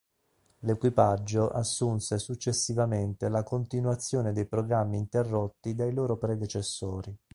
L'equipaggio assunse successivamente la continuazione dei programmi interrotti dai loro predecessori.